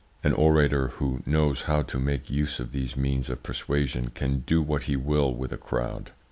An orator who knows how to make use of these means of persuasion can do what he will with a crowd.